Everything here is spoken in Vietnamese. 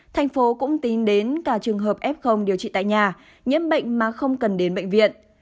tp hcm cũng tin đến cả trường hợp f điều trị tại nhà nhiễm bệnh mà không cần đến bệnh viện